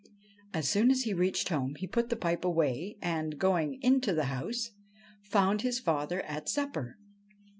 As soon as he reached home he put the pipe away, and, going into the house, found his father at supper.